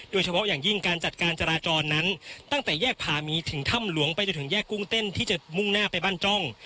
โดยเฉพาะอย่างยิ่งการจัดการจราจรนั้นตั้งแต่แยกผ่ามีถึงถ้ำหลวงไปจนถึงแยกกุ้งเต้นที่จะมุ่งหน้าไปบ้านจ้อง